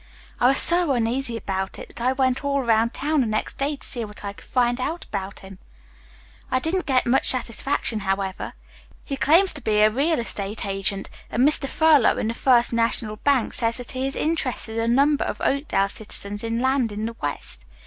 "I was so uneasy about it that I went all around town the next day to see what I could find out about him. I didn't get much satisfaction, however. He claims to be a real estate agent, and Mr. Furlow in the First National Bank says that he has interested a number of Oakdale citizens in land in the west.